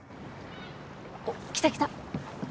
おっ来た来た。